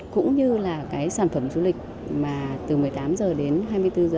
cũng như là cái sản phẩm du lịch mà từ một mươi tám h đến hai mươi bốn h